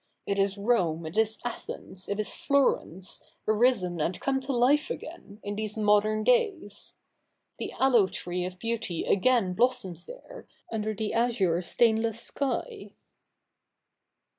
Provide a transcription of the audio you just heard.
It is Rome, it is Athens, it is Florence, arisen and come to life again, in these modern days. The aloe tree of beauty again blossoms there, under the azure stainless sky.'